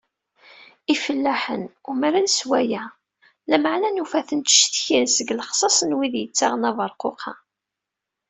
Ifellaḥen, umren s waya, lameεna nufa-ten, ttcektin seg lexṣaṣ n wid yettaɣen aberquq-a.